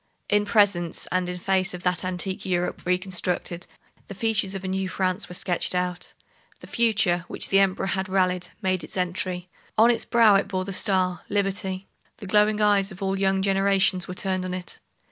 In presence and in face of that antique Europe reconstructed, the features of a new France were sketched out. The future, which the Emperor had rallied, made its entry. On its brow it bore the star, Liberty. The glowing eyes of all young generations were turned on it.